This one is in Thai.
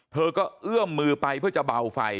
เธอก็เอื้อมมือไปเพื่อจะเบาไฟ